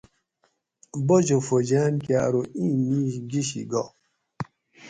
باچہ فوجیان کہۤ ارو ایں میش گشی گاۤ